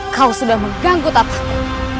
kau sudah mengganggu tataku